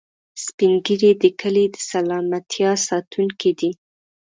سپین ږیری د کلي د سلامتیا ساتونکي دي